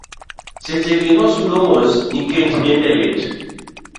seche gi nosudo mos nikech ne dende lit